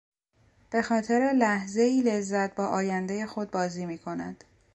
به خاطر لحظهای لذت با آیندهی خود بازی میکند.